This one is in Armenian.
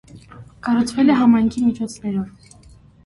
Կառուցվել է համայնքի միջոցներով։